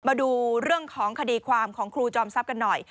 มาดูเรื่องของคดีความของครูจอมทรัพย์กันหน่อย